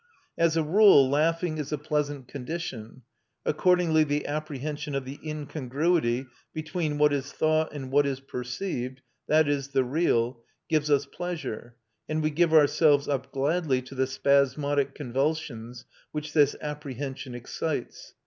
As a rule laughing is a pleasant condition; accordingly the apprehension of the incongruity between what is thought and what is perceived, that is, the real, gives us pleasure, and we give ourselves up gladly to the spasmodic convulsions which this apprehension excites.